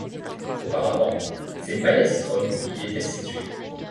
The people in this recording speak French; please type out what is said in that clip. Auparavant, c'est Maelstrom qui y était situé.